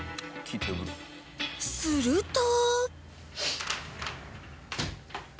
すると